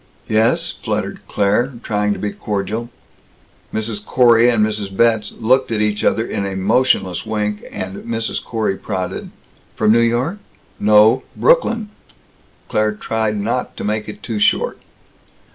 "Yes," fluttered Claire, trying to be cordial. Mrs. Corey and Mrs. Betz looked at each other in a motionless wink, and Mrs. Corey prodded: "From New York?" "No. Brooklyn." Claire tried not to make it too short.